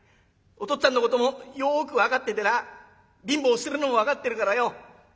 お父っつぁんのこともよく分かっててな貧乏してるのも分かってるからよ